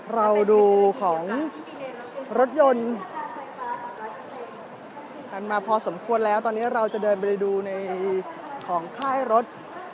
เราดูของรถยนต์กันมาพอสมควรแล้วตอนนี้เราจะเดินไปดูในของค่ายรถ